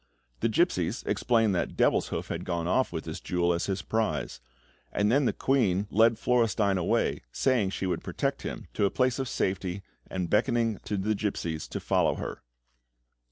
The gipsies explained that Devilshoof had gone off with this jewel as his prize; and then the queen led Florestein away, saying she would protect him, to a place of safety, and beckoning to the gipsies to follow her.